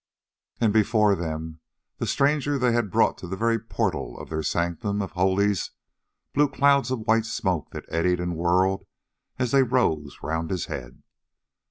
And before them the stranger they had brought to the very portal of their sanctum of holies blew clouds of white smoke that eddied and whirled as they rose round his head.